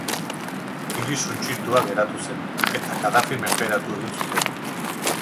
Hiria suntsituta geratu zen, eta Kadafi menperatu egin zuten.